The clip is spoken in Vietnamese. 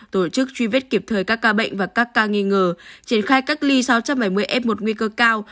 tổ chức truy vết kịp thời các ca bệnh và các ca nghi ngờ triển khai cách ly sáu trăm bảy mươi f một nguy cơ cao